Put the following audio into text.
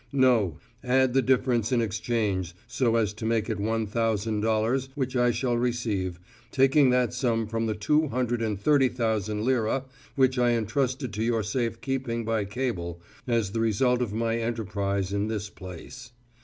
No; add the difference in exchange so as to make it one thousand dollars which I shall receive, taking that sum from the two hundred and thirty thousand lire which I entrusted to your safekeeping by cable as the result of my enterprise in this place.